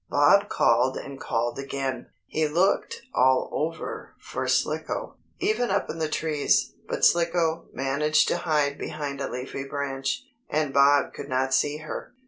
Bob called and called again. He looked all over for Slicko, even up in the trees, but Slicko managed to hide behind a leafy branch, and Bob could not see her.